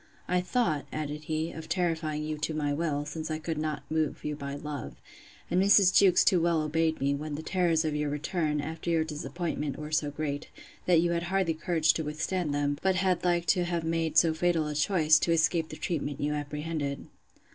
I thought, added he, of terrifying you to my will, since I could not move you by love; and Mrs. Jewkes too well obeyed me, when the terrors of your return, after your disappointment, were so great, that you had hardly courage to withstand them; but had like to have made so fatal a choice, to escape the treatment you apprehended.